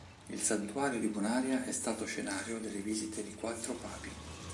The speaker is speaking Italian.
Il santuario di Bonaria è stato scenario delle visite di quattro papi.